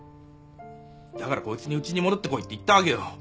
だからこいつにうちに戻ってこいって言ったわけよ。